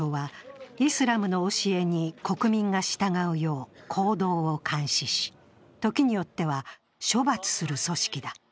勧善懲悪省はイスラムの教えに国民が従うよう行動を監視し時によっては処罰する組織だ。